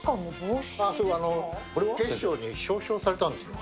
警視庁に表彰されたんです。